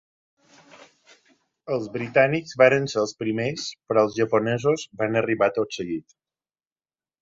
Els britànics varen ser els primers però els japonesos van arribar tot seguit.